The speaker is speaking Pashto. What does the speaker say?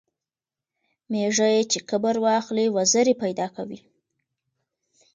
ـ ميږى چې کبر واخلي وزرې پېدا کوي.